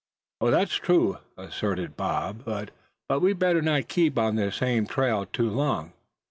"That's true," assented Bob; "but we'd best not keep on this same trail too long."